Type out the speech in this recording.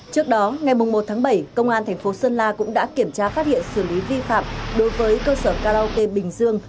trước đó ngày một bảy công an tp sơn la cũng đã kiểm tra phát hiện xử lý vi phạm đối với cơ sở karaoke bình dương